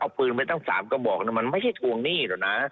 เอาปืนไปตั้ง๓กระบอกมันไม่ใช่ทวงหนี้หรอกนะ